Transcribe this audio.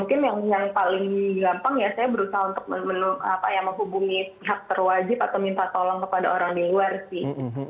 mungkin yang paling gampang ya saya berusaha untuk menghubungi pihak terwajib atau minta tolong kepada orang di luar sih